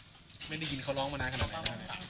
ไม่ได้ยินเขาร้องมานานขนาดไหน